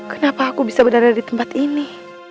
kenapa aku bisa berada di tempat ini